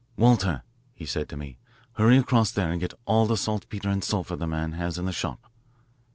"Walter," he said to me, "hurry across there and get all the saltpeter and sulphur the man has in the shop.